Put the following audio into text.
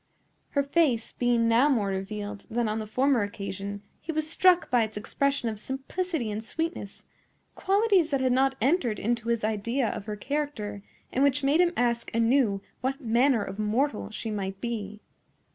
Her face being now more revealed than on the former occasion, he was struck by its expression of simplicity and sweetness,—qualities that had not entered into his idea of her character, and which made him ask anew what manner of mortal she might be.